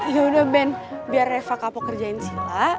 yaudah ben biar reva kapok kerjain sheila